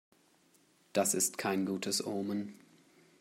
Das ist kein gutes Omen.